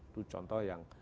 itu contoh yang